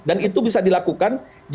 dan itu bisa dilakukan